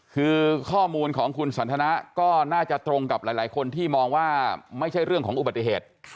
คือข้อมูลของคุณสันทนาก็น่าจะตรงกับหลายคนที่มองว่าไม่ใช่เรื่องของอุบัติเหตุ